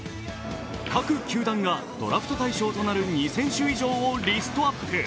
各球団がドラフト対象となる２選手以上をリストアップ。